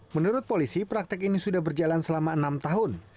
menurut polisi praktek ini sudah berjalan selama enam tahun